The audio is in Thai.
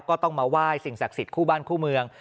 ก็ต้องมาไหว้สิ่งศักดิ์สิทธิคู่บ้านคู่เมือง